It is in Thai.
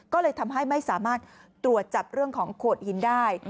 ก็เลยทำให้ไม่สามารถตรวจจับเรื่องของโขดหินได้